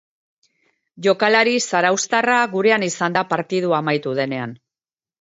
Jokalari zarauztarra gurean izan da partida amaitu denean.